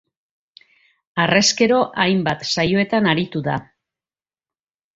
Harrezkero hainbat saioetan aritu da.